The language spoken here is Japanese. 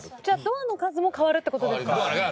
じゃあドアの数も変わるって事ですか？